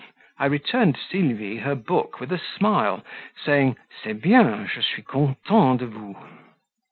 I returned Sylvie her book with a smile, saying "C'est bien je suis content de vous."